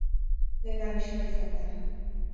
Lehen abisua izan da.